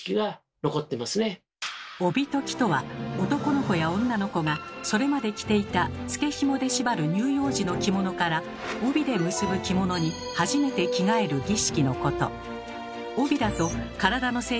「帯解き」とは男の子や女の子がそれまで着ていたつけひもで縛る乳幼児の着物から帯で結ぶ着物に初めて着替える儀式のこと。